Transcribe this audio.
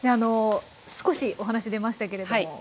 少しお話出ましたけれども。